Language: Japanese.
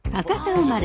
生まれ